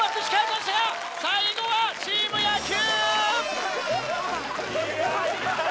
最後はチーム野球！